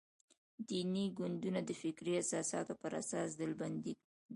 دیني ګوندونه د فکري اساساتو پر اساس ډلبندي کړو.